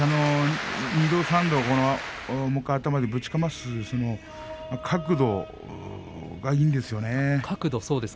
２度３度頭でぶちかます相撲、角度角度がいいんですよね。